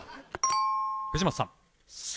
藤本さん